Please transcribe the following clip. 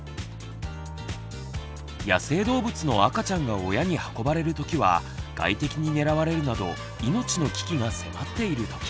野生動物の赤ちゃんが親に運ばれるときは外敵に狙われるなど命の危機が迫っているとき。